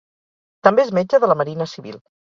També és metge de la Marina Civil.